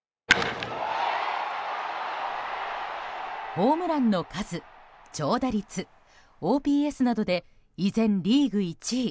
ホームランの数、長打率ＯＰＳなどで依然リーグ１位。